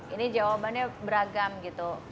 ini jawabannya beragam gitu